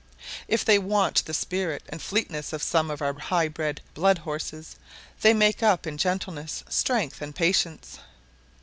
If they want the spirit and fleetness of some of our high bred blood horses, they make up in gentleness, strength, and patience.